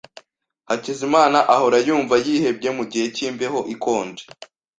Hakizimana ahora yumva yihebye mugihe cyimbeho ikonje.